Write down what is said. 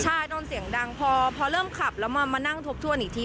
ใช่โดนเสียงดังพอเริ่มขับแล้วมานั่งทบทวนอีกที